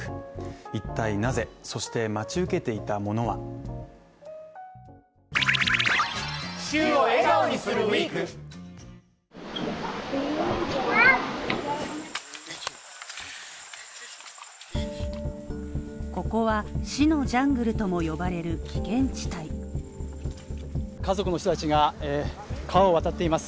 一体なぜ、そして待ち受けていたものはここは死のジャングルとも呼ばれる危険地帯家族の人たちが川を渡っています。